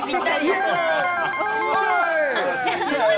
イエーイ！